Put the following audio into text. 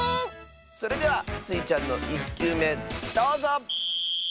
それではスイちゃんの１きゅうめどうぞ！